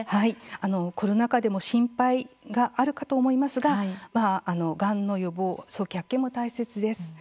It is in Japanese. コロナ禍で心配もあるかと思いますががんの予防、早期発見も大切です。